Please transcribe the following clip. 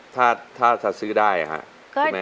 ถ้าซื้อได้ค่ะ